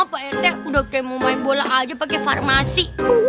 pak enda udah kayak mau main bola aja pakai farmasi